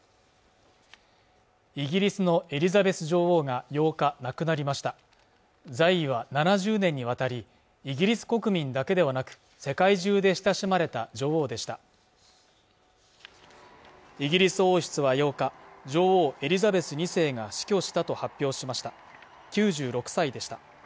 イギリスのエリザベス女王が８日亡くなりました在位は７０年にわたりイギリス国民だけではなく世界中で親しまれた女王でしたイギリス王室は８日女王エリザベス２世が死去したと発表しました９６歳でした